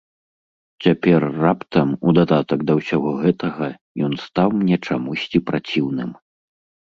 Цяпер раптам, у дадатак да ўсяго гэтага, ён стаў мне чамусьці праціўным.